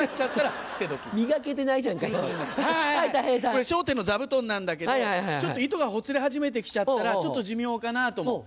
これ『笑点』の座布団なんだけどちょっと糸がほつれ始めてきちゃったらちょっと寿命かなと思う。